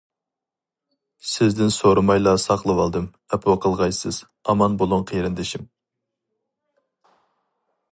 سىزدىن سورىمايلا ساقلىۋالدىم، ئەپۇ قىلغايسىز. ئامان بولۇڭ قېرىندىشىم.